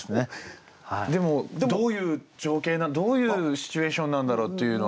でもどういう情景どういうシチュエーションなんだろうっていうのは？